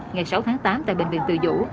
ngày sáu tháng tám tại bệnh viện tù dụ